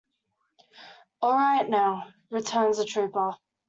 "All right now," returns the trooper.